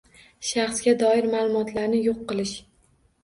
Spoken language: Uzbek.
Shaxsga doir ma’lumotlarni yo‘q qilish